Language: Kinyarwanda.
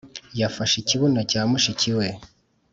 yafashe ikibuno cya mushiki we,